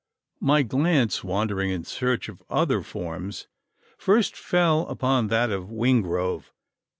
My glance, wandering in search of other forms, first fell upon that of Wingrove.